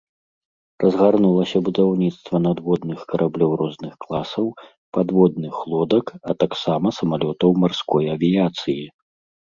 Разгарнулася будаўніцтва надводных караблёў розных класаў, падводных лодак а таксама самалётаў марской авіяцыі.